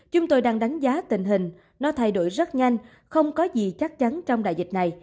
chúng tôi đang đánh giá tình hình nó thay đổi rất nhanh không có gì chắc chắn trong đại dịch này